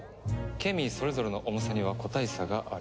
ケミーそれぞれの重さには個体差がある。